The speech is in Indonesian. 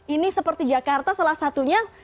ini seperti jakarta salah satunya